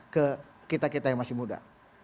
ke kita kita yang masih muda